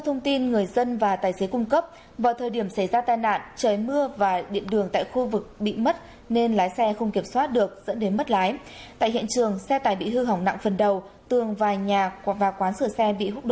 hãy đăng ký kênh để ủng hộ kênh của chúng mình nhé